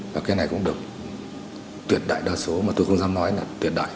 và cái này cũng được tuyệt đại đa số mà tôi không dám nói là tuyệt đại